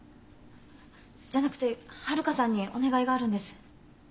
じゃなくて遙さんにお願いがあるんです。